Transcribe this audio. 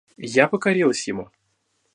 Я покорилась ему.